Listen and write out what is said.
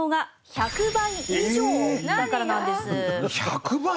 １００倍？